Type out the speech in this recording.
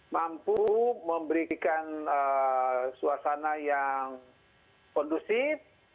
mampu memberikan suasana yang kondusif